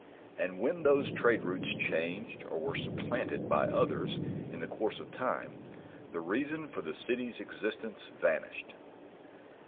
"And when those trade routes changed or were supplanted by others in the course of time, the reason for the City's existence vanished."